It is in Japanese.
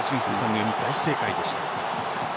読み、大正解でした。